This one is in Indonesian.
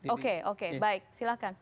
oke baik silahkan